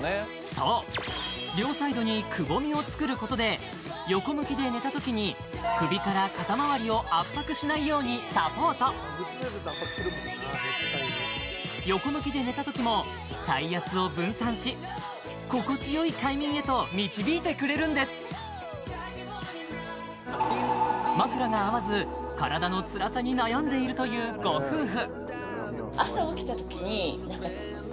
そう両サイドにくぼみを作ることで横向きで寝たときに首から肩周りを圧迫しないようにサポート横向きで寝たときも体圧を分散し心地よい快眠へと導いてくれるんです枕が合わず体のつらさに悩んでいるというご夫婦